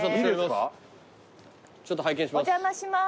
ちょっと拝見します。